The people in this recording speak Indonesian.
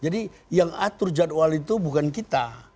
jadi yang atur jadwal itu bukan kita